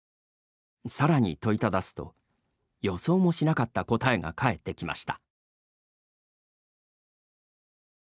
さらに問いただすと予想もしなかった答えが返ってきました。